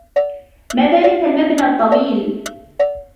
ما ذلك المبنى الطويل ؟